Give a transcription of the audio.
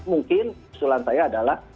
mungkin kesulahan saya adalah